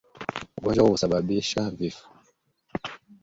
Ugonjwa huu hausababishi vifo